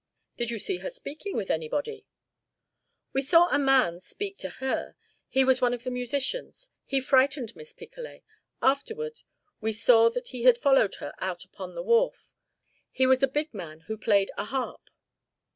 "Did you see her speaking with anybody?" "We saw a man speak to her. He was one of the musicians. He frightened Miss Picolet. Afterward we saw that he had followed her out upon the wharf. He was a big man who played a harp."